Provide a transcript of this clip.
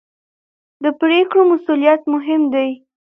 د پرېکړو مسوولیت مهم دی